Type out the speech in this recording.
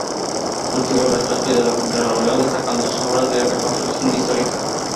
Cultivó el retrato y la pintura al óleo, destacando sus obras de reconstrucción histórica.